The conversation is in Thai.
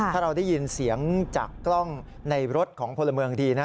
ถ้าเราได้ยินเสียงจากกล้องในรถของพลเมืองดีนะ